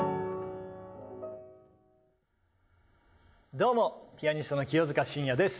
どうも、ピアニストの清塚信也です。